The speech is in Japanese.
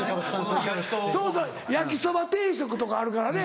そうそう焼きそば定食とかあるからね。